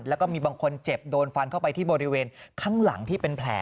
แล้วก็มีบางคนเจ็บโดนฟันเข้าไปที่บริเวณข้างหลังที่เป็นแผล